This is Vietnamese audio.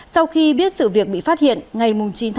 sau khi biết sự việc bị phát hiện ngày chín tháng một đạt đã ra đầu thú